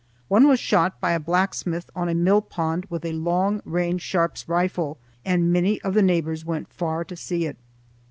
One was shot by a blacksmith on a millpond with a long range Sharp's rifle, and many of the neighbors went far to see it.